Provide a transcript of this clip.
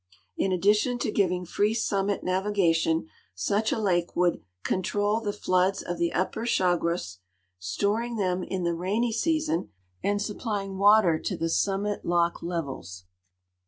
In addition to giving free summit navigation, such a lake would control the floods of the Up])er Chagres, storing tliem in the rainy season and supplying water to the summit lock levels.